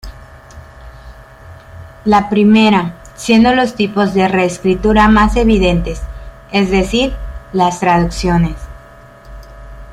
La primera, siendo los tipos de reescritura más evidentes, es decir, las traducciones.